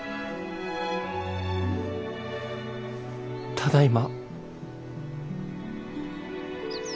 ただいま。